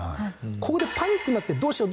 ここでパニックになってどうしよう？